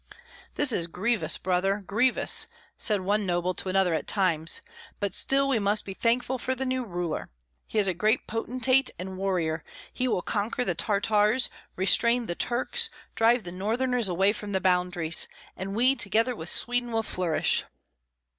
"This is grievous, brother, grievous," said one noble to another at times, "but still we must be thankful for the new ruler. He is a great potentate and warrior; he will conquer the Tartars, restrain the Turks, drive the Northerners away from the boundaries; and we together with Sweden will flourish."